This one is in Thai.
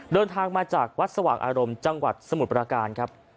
เดินทางมาจากวัดสว่างอารมณ์จังหวัดสมุทรประการครับ